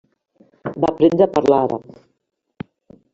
Va aprendre a parlar àrab.